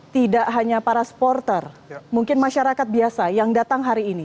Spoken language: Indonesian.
tidak hanya para supporter mungkin masyarakat biasa yang datang hari ini